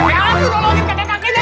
aku nolongin kakek kakeknya